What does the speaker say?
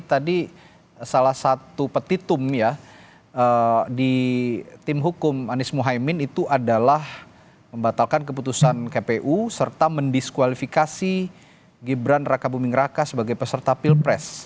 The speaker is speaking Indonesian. tadi salah satu petitum ya di tim hukum anies mohaimin itu adalah membatalkan keputusan kpu serta mendiskualifikasi gibran raka buming raka sebagai peserta pilpres